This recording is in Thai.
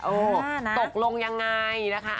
ตกลงยังไงนะคะ